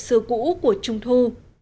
xưa cũ của trung thu